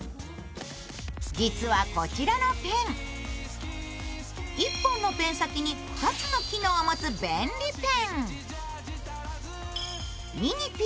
実はこちらのペン、１本のペン先に２つの機能を持つ便利ペン。